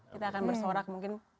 kita akan bersorak mungkin